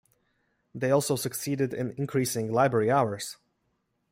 They also succeeded in increasing library hours.